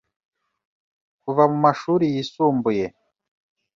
kuva mu mashuri yisumbuye